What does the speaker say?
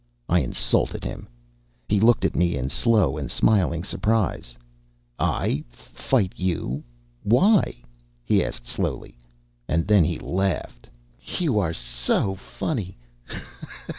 I insulted him. He looked at me in slow and smiling surprise. "I fight you? Why?" he asked slowly. And then he laughed. "You are so funny!